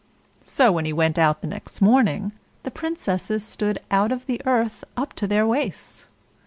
So, when he went out next morning, the Princesses stood out of the earth up to their waists.